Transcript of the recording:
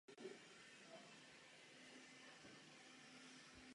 Samostatně vydaná česká básnická sbírka byla v té době vzácností.